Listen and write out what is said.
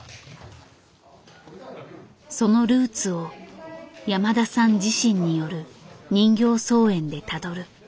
そのルーツを山田さん自身による人形操演でたどる。